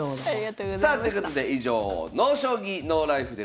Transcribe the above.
さあということで以上「ＮＯ将棋ＮＯＬＩＦＥ」でございました。